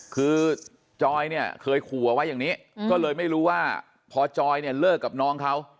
คือจอยเนี่ยเคยขู่เอาไว้อย่างนี้ก็เลยไม่รู้ว่าพอจอยเนี่ยเลิกกับน้องเขา